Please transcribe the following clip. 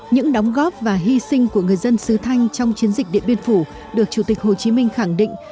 những đóng góp và hy sinh của người dân sứ thanh trong chiến dịch điện biên phủ được chủ tịch hồ chí minh khẳng định